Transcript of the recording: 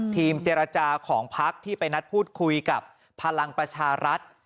ทีมเจรจาของพักที่ไปนัดพูดคุยกับพลังประชารัฐ